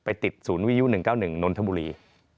ติดศูนย์วิยุ๑๙๑นนทบุรี